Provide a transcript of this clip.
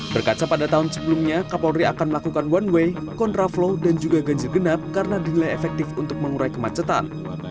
berkaca pada tahun sebelumnya kapolri akan melakukan one way contraflow dan juga ganjil genap karena dinilai efektif untuk mengurai kemacetan